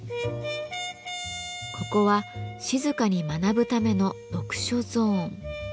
ここは静かに学ぶための読書ゾーン。